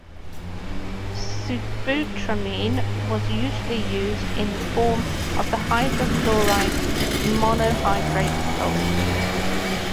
Sibutramine was usually used in the form of the hydrochloride monohydrate salt.